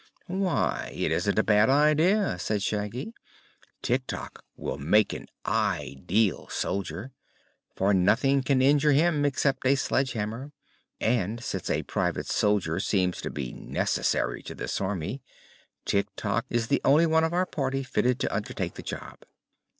"Why, it isn't a bad idea," said Shaggy. "Tik Tok will make an ideal soldier, for nothing can injure him except a sledge hammer. And, since a private soldier seems to be necessary to this Army, Tik Tok is the only one of our party fitted to undertake the job."